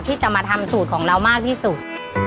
ที่จะมาทำสูตรของเรามากที่สุด